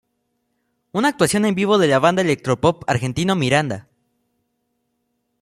Una actuación en vivo de la banda de electro pop argentino Miranda!